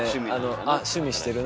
「あ趣味してるな」